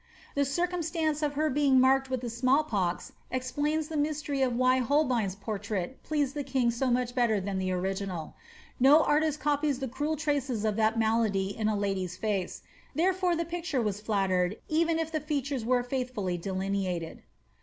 ' The circumstance of her being marked with the small pux explains the mystery of why Holbein's portrait pleased the king so much better than the original. No artbt copies the cruel traces of that malady in a lady's face ; therefore the picture was flattered, even if the features were faithfully delineated.